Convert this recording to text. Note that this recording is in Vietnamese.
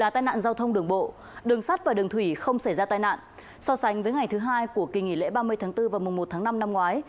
tại ngày thứ hai của kỳ nghỉ lễ ba mươi tháng bốn và mùa một tháng năm năm ngoái